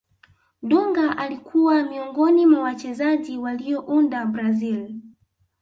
dunga alikuwa miongoni mwa wachezaji waliounda brazil